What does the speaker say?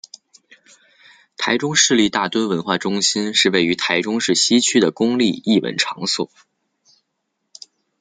台中市立大墩文化中心是位于台中市西区的公立艺文场所。